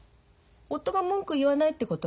夫が文句言わないってことはさ